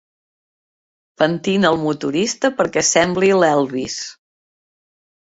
Pentina el motorista perquè sembli l'Elvis.